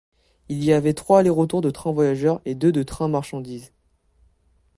Il y avait trois aller-retour de trains voyageurs et deux de trains marchandises.